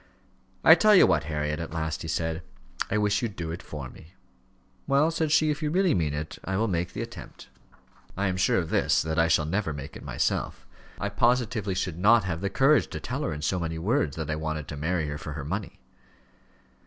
"I tell you what, Harriet," at last he said; "I wish you'd do it for me." "Well," said she, "if you really mean it, I will make the attempt." "I am sure of this, that I shall never make it myself. I positively should not have the courage to tell her in so many words, that I wanted to marry her for her money."